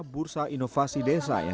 bursa inovasi desa